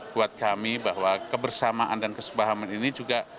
buat kami bahwa kebersamaan dan kesepahaman ini juga